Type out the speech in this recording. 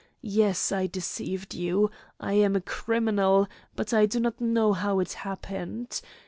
Yes, I deceived you, I am a criminal, but I do not know how it happened.